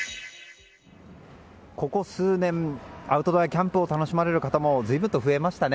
ここ数年アウトドアキャンプを楽しまれる方も随分と増えましたね。